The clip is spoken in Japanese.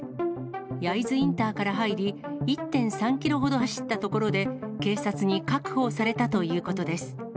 焼津インターから入り、１．３キロほど走ったところで、警察に確保されたということです。